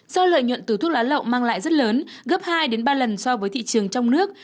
do lợi nhuận từ thuốc lá lậu mang lại rất lớn gấp hai ba lần so với thị trường trong nước